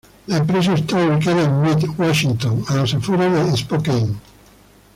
La empresa está ubicada en Mead, Washington, a las afueras de Spokane.